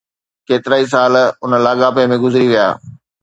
ڪيترائي سال ان لاڳاپي ۾ گذري ويا.